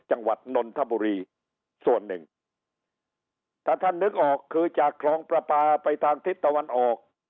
นนทบุรีส่วนหนึ่งถ้าท่านนึกออกคือจากคลองประปาไปทางทิศตะวันออก